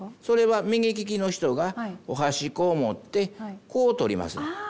それは右利きの人がお箸こう持ってこう取りますのや。